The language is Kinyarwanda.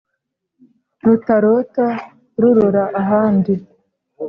Rutarota rurora ahandi